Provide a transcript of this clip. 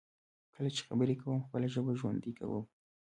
کله چې خبرې کوم، خپله ژبه ژوندی کوم.